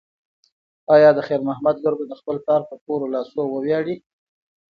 ایا د خیر محمد لور به د خپل پلار په تورو لاسو وویاړي؟